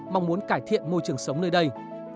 mong muốn cải thiện môi trường sống nơi đây